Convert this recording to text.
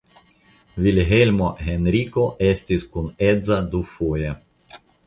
Vilhelmo Henriko estis kunedza dufoje.